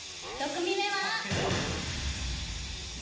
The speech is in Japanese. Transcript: １組目は。